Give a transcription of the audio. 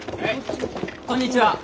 こんにちは！